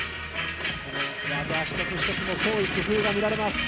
技一つ一つに創意工夫が見られます。